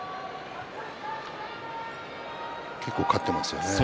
結構勝っていますよね。